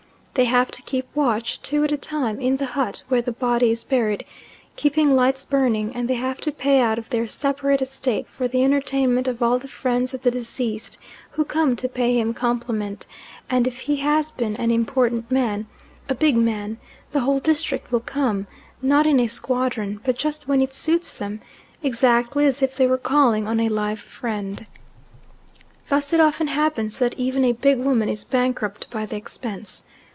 They have to keep watch, two at a time, in the hut, where the body is buried, keeping lights burning, and they have to pay out of their separate estate for the entertainment of all the friends of the deceased who come to pay him compliment; and if he has been an important man, a big man, the whole district will come, not in a squadron, but just when it suits them, exactly as if they were calling on a live friend. Thus it often happens that even a big woman is bankrupt by the expense.